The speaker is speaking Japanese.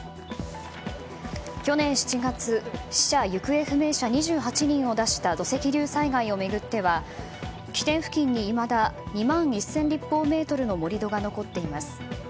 去年７月死者・行方不明者２８人を出した土石流災害を巡っては起点付近にいまだ２万１０００立方メートルの盛り土が残っています。